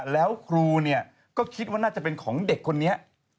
แล้วครูเนี่ยก็คิดว่าน่าจะเป็นของเด็กคนนี้